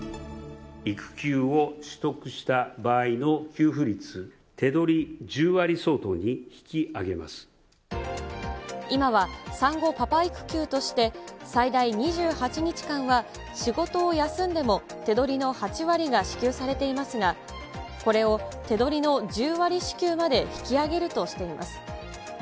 育休を取得した場合の給付率、今は産後パパ育休として、最大２８日間は仕事を休んでも手取りの８割が支給されていますが、これを手取りの１０割支給まで引き上げるとしています。